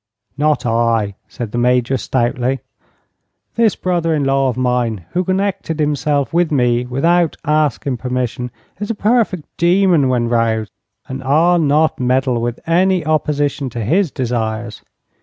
"Not I," said the Major, stoutly. "This brother in law of mine, who connected himself with me without asking permission, is a perfect demon when 'roused, and I'll not meddle with any opposition to his desires.